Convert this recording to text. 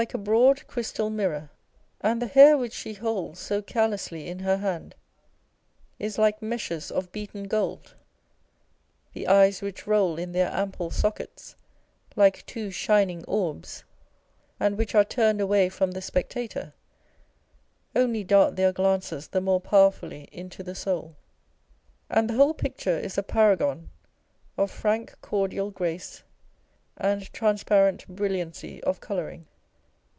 a broad crystal mirror ; and the hair which she holds so carelessly in her hand is like meshes of beaten gold. The eyes which roll in their ample sockets, like two shining orbs, and which are turned away from the spectator, only dart their glances the more powerfully into the soul ; and the whole picture is a paragon of frank cordial grace, and transparent brilliancy of colouring.